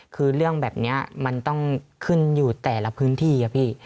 คือเรื่องแบบนี้มันต้องขึ้นอยู่แต่ละพื้นที่อะพี่